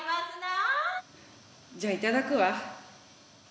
じゃあ、いただくわ。